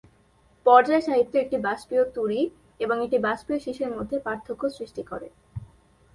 পর্যায় সাহিত্য একটি বাষ্পীয় তূরী এবং একটি বাষ্পীয় শিসের মধ্যে পার্থক্য সৃষ্টি করে।